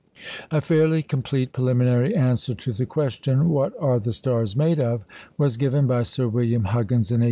A fairly complete preliminary answer to the question, What are the stars made of? was given by Sir William Huggins in 1864.